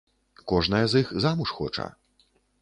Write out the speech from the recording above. Кожная з іх замуж хоча.